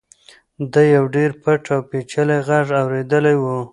ده یو ډېر پټ او پېچلی غږ اورېدلی و.